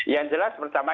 yang jelas pertama